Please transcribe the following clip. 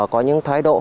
có những thái độ